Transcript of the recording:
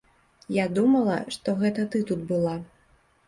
Я думала, што гэта ты тут была.